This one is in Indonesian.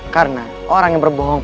karena orang yang berbohong